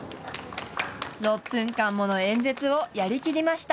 ６分間もの演説をやりきりました。